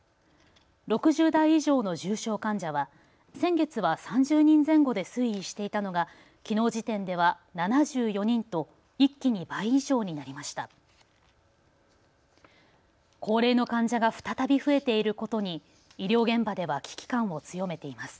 ６０代以上の重症患者は先月は３０人前後で推移していたのがきのう時点では７４人と一気に倍以上になりました。